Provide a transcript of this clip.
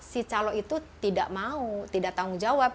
si calon itu tidak mau tidak tanggung jawab